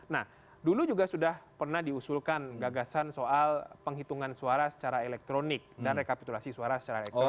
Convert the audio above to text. nah dulu juga sudah pernah diusulkan gagasan soal penghitungan suara secara elektronik dan rekapitulasi suara secara elektronik